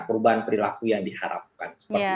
perubahan perilaku yang diharapkan